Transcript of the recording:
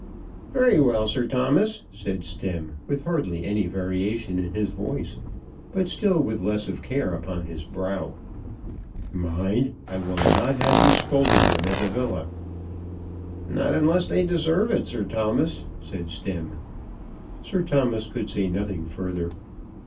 "Very well, Sir Thomas," said Stemm, with hardly any variation in his voice, but still with less of care upon his brow. "Mind, I will not have you scolding them at the villa." "Not unless they deserve it, Sir Thomas," said Stemm. Sir Thomas could say nothing further.